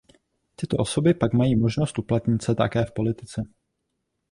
Tyto osoby pak mají možnost uplatnit se také v politice.